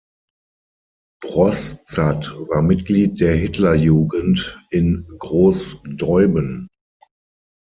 Broszat war Mitglied der Hitlerjugend in Großdeuben.